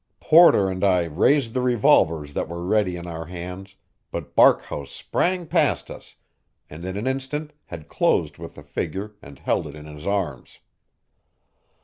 Porter and I raised the revolvers that were ready in our hands, but Barkhouse sprang past us, and in an instant had closed with the figure and held it in his arms.